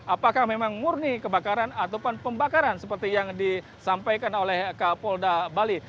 apakah memang murni kebakaran ataupun pembakaran seperti yang disampaikan oleh kapolda bali